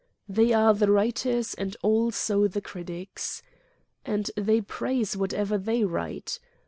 They are the writers and also the critics. And they praise whatever they write.